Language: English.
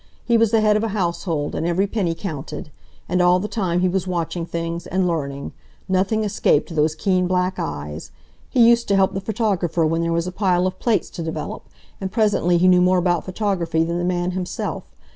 He was the head of a household, and every penny counted. And all the time he was watching things, and learning. Nothing escaped those keen black eyes. He used to help the photographer when there was a pile of plates to develop, and presently he knew more about photography than the man himself.